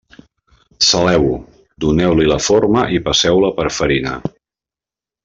Saleu-ho, doneu-li la forma i passeu-la per farina.